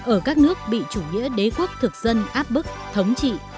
ở các nước bị chủ nghĩa đế quốc thực dân áp ban